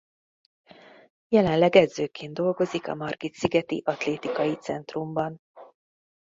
Jelenleg edzőként dolgozik a Margitszigeti Atlétikai Centrumban.